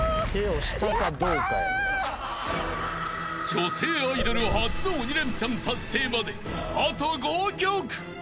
［女性アイドル初の鬼レンチャン達成まであと５曲］